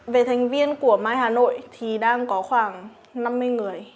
về thành viên của mai hà nội thì đang có khoảng năm mươi người